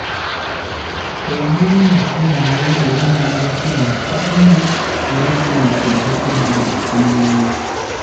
Teyamulinda kubimalayo era n'amubakira nti, taliiwo era genda ojja kudda ng'akomyewo.